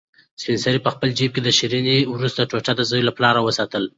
سپین سرې په خپل جېب کې د شیرني وروستۍ ټوټه د زوی لپاره وساتله.